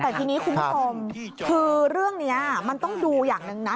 แต่ทีนี้คุณผู้ชมคือเรื่องนี้มันต้องดูอย่างหนึ่งนะ